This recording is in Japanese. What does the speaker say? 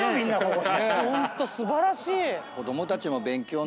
ホント素晴らしい。